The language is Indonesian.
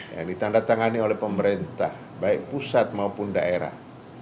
yang ditandatangani oleh pemerintah baik pusat maupun daerah